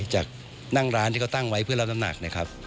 จากนั่งร้านที่เขาตั้งไว้เพื่อรับน้ำหนักนะครับ